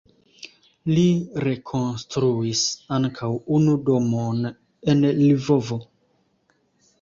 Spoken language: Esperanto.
Li rekonstruis ankaŭ unu domon en Lvovo.